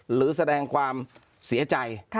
หรือแสดงความเสียใจ